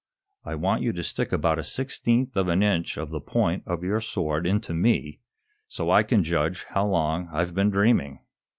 "I want you to stick about a sixteenth of an inch of the point of your sword into me, so I can judge how long I've been dreaming."